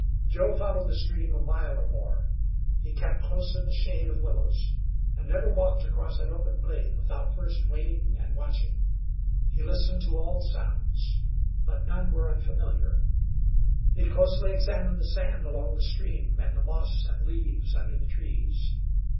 Joe followed the stream a mile or more. He kept close in the shade of willows, and never walked across an open glade without first waiting and watching. He listened to all sounds; but none were unfamiliar. He closely examined the sand along the stream, and the moss and leaves under the trees.